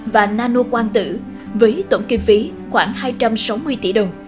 và nano quang tử với tổng kinh phí khoảng hai trăm sáu mươi tỷ đồng